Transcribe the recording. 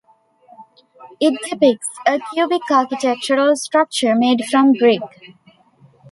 It depicts a cubic architectural structure made from brick.